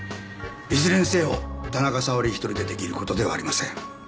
いずれにせよ田中沙織一人で出来る事ではありません。